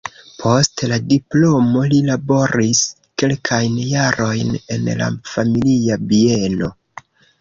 Post la diplomo li laboris kelkajn jarojn en la familia bieno.